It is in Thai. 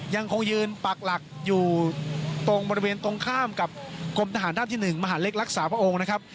ยังคงยืนปักหลักอยู่ตรงบริเวณตรงข้ามกับกรมทหารราบที่๑มหาเล็กรักษาพระองค์นะครับ